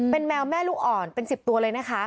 เป็นแมวแม่ลูกอ่อนเป็น๑๐ตัวเลยนะคะ